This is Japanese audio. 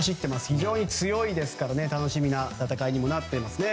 非常に強いですから楽しみな戦いになってきます。